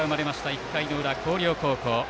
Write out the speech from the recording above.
１回の裏の広陵高校。